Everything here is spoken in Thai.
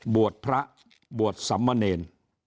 บวชพระบวชสำมะเนร